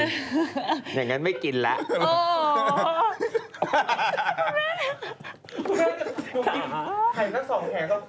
บ๊วยไก่สองแพง